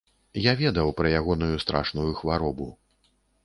Я ведаў пра ягоную страшную хваробу.